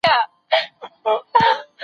په چټک مزل کي ذهن نه ستړی کېږي.